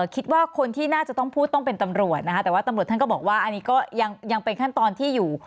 คิดว่าคนที่น่าจะต้องพูดต้องเป็นตำรวจนะคะแต่ว่าตำรวจท่านก็บอกว่าอันนี้ก็ยังเป็นขั้นตอนที่อยู่